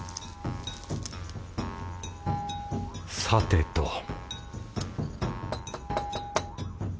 さてと